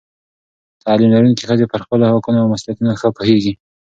تعلیم لرونکې ښځې پر خپلو حقونو او مسؤلیتونو ښه پوهېږي.